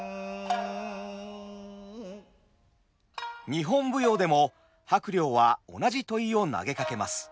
日本舞踊でも伯了は同じ問いを投げかけます。